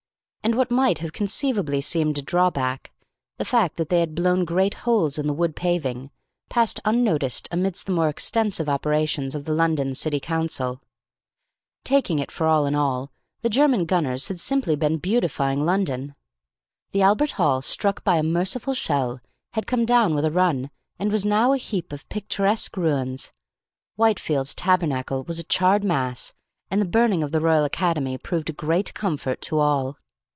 And what might have conceivably seemed a draw back, the fact that they had blown great holes in the wood paving, passed unnoticed amidst the more extensive operations of the London County Council. Taking it for all in all, the German gunners had simply been beautifying London. The Albert Hall, struck by a merciful shell, had come down with a run, and was now a heap of picturesque ruins; Whitefield's Tabernacle was a charred mass; and the burning of the Royal Academy proved a great comfort to all.